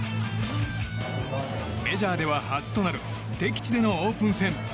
メジャーでは初となる敵地でのオープン戦。